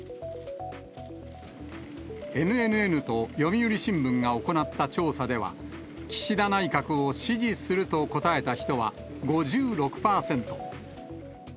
ＮＮＮと読売新聞が行った調査では、岸田内閣を支持すると答えた人は５６％。